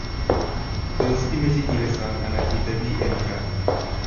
tos imeche iwe sang' anan itebii Eng' gaa